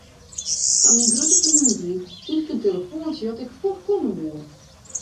Ta myn grutte fernuvering krige ik in telefoantsje oft ik fuort komme woe.